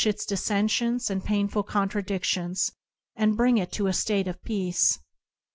its dissensions and painful contradictions, and bring it to a state of peace.